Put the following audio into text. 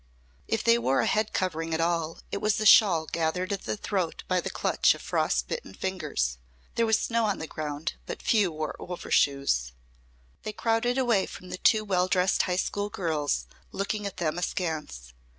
If they wore a head covering at all, it was a shawl gathered at the throat by the clutch of frost bitten fingers. There was snow on the ground; but few wore overshoes. They crowded away from the two well dressed high school girls, looking at them askance.